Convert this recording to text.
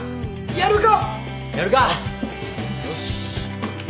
やるか。